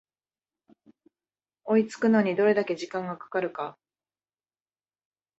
追いつくのにどれだけ時間がかかるか